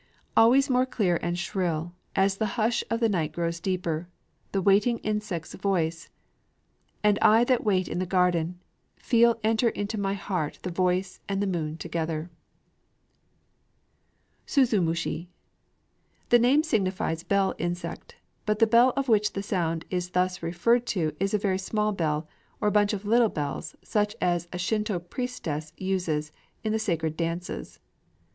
Always more clear and shrill, as the hush of the night grows deeper, The Waiting insect's voice; and I that wait in the garden, Feel enter into my heart the voice and the moon together. Suzumushi. The name signifies "bell insect;" but the bell of which the sound is thus referred to is a very small bell, or a bunch of little bells such as a Shinto priestess uses in the sacred dances.